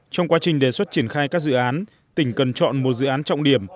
trong quá trình đề xuất triển khai các dự án tỉnh cần chọn một dự án trọng điểm